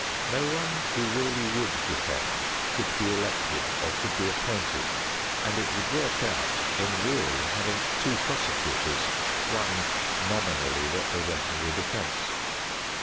No one who really would defend could be elected or could be appointed, and it would work out in really having two prosecutors, one nominally representing the defense.